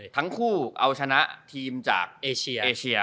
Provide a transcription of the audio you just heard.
ทั้งคู่เอาชนะทีมจากเอเชีย